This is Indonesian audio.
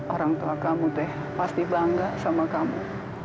orang tua kamu teh pasti bangga sama kamu